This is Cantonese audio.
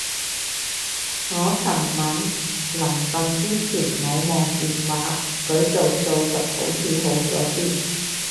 我尋晚臨瞓之前冇望電話，改做數獨好似好咗啲